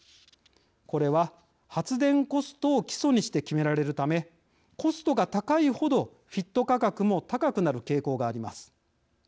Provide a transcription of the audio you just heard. これは発電コストを基礎にして決められるためコストが高いほどＦＩＴ価格も高くなる傾向があります。